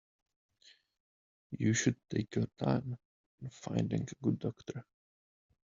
You should take your time in finding a good doctor.